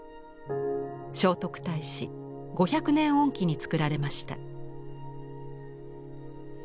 聖徳太子５００年遠忌に作られました。